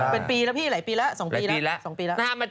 เป็นปีแล้วพี่หลายปีแล้ว๒ปีแล้ว